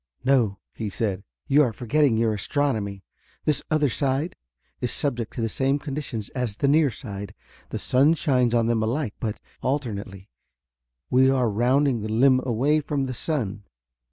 "No," he said. "You are forgetting your astronomy. This 'other side' is subject to the same conditions as the near side. The sun shines on them alike, but alternately. We are rounding the limb away from the sun.